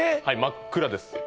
はい真っ暗です